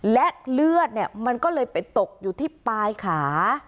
และเลือดมันก็เลยไปตกอยู่ที่ปลายขา